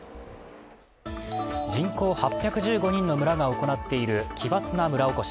人口８１５人の村が行っている奇抜な村おこし。